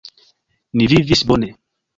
Ni vivis bone.